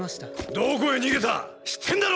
どこへ逃げた⁉知ってンだろ！！